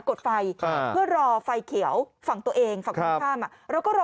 กดไฟเพื่อรอไฟเขียวฝั่งตัวเองฝั่งคนข้ามอ่ะแล้วก็รอ